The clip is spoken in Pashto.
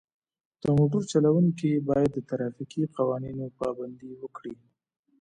د موټر چلوونکي باید د ترافیکي قوانینو پابندي وکړي.